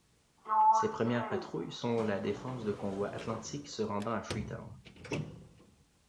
Ses premières patrouilles sont la défense de convois atlantiques se rendant à Freetown.